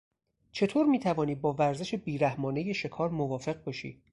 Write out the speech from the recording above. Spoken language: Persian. چطور میتوانی با ورزش بیرحمانهی شکار موافق باشی؟